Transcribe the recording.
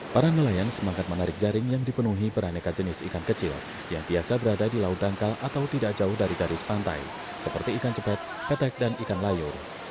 para nelayan semangat menarik jaring yang dipenuhi beraneka jenis ikan kecil yang biasa berada di laut dangkal atau tidak jauh dari garis pantai seperti ikan cepat petek dan ikan layur